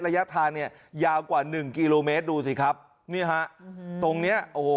ระยะทางเนี่ยยาวกว่าหนึ่งกิโลเมตรดูสิครับนี่ฮะตรงเนี้ยโอ้โห